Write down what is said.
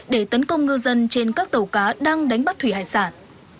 để tấn công ngư dân trên các tàu cá đang đánh bắt thủy hải sản